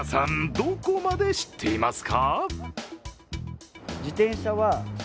どこまで知っていますか？